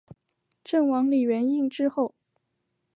郑王李元懿之后。